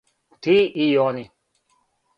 Ти и они.